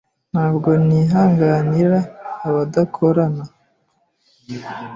Ntabwo nihanganira abadakorana.